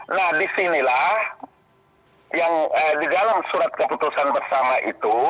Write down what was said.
nah disinilah yang di dalam surat keputusan bersama itu